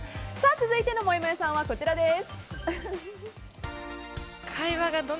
続いてのもやもやさんはこちらです。